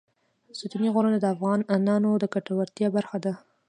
ستوني غرونه د افغانانو د ګټورتیا برخه ده.